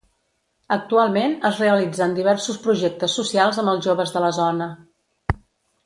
Actualment es realitzen diversos projectes socials amb els joves de la zona.